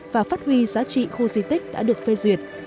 và phát huy giá trị khu di tích đã được phê duyệt